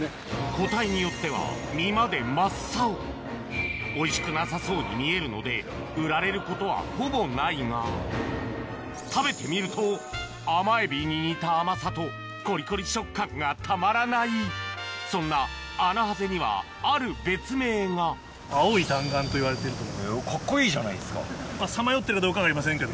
個体によっては身まで真っ青おいしくなさそうに見えるので売られることはほぼないが食べてみると甘エビに似た甘さとコリコリ食感がたまらないそんなアナハゼにはある別名が青い弾丸。と思ってるかも。